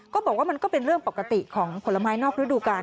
ก็บอกว่ามันก็เป็นเรื่องปกติของผลไม้นอกฤดูกาล